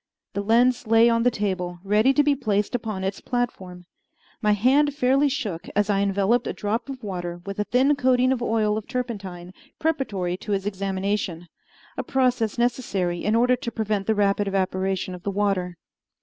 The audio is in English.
The lens lay on the table, ready to be placed upon its platform. My hand fairly shook as I enveloped a drop of water with a thin coating of oil of turpentine, preparatory to its examination, a process necessary in order to prevent the rapid evaporation of the water.